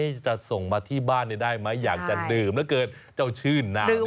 จะส่งมาที่บ้านได้ไหมอยากจะดื่มแล้วเกิดเจ้าชื่นนาวเนี่ยนะครับ